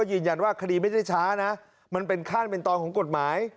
ยืนยันว่าคดีไม่ได้ช้านะมันเป็นขั้นเป็นตอนของกฎหมาย